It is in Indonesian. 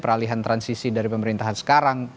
peralihan transisi dari pemerintahan sekarang